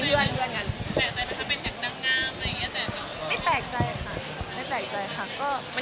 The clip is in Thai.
ยังไม่เคยได้คุยอะไรกับใคร